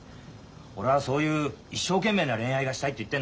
俺はそういう一生懸命な恋愛がしたいって言ってんの。